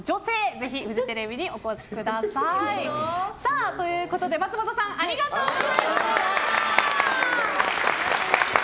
ぜひフジテレビにお越しください。ということで松本さんありがとうございました。